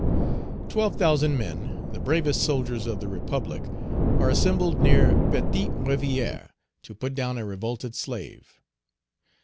Twelve thousand men, the bravest soldiers of the Republic, are assembled near Petite Rivière to put down a revolted slave!